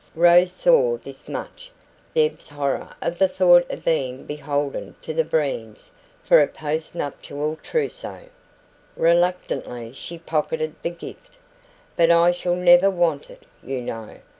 Rose saw this much Deb's horror of the thought of being beholden to the Breens for a post nuptial trousseau. Reluctantly she pocketed the gift. "But I shall never want it, you know."